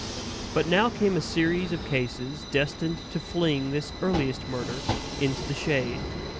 But now came a series of cases destined to fling this earliest murder into the shade.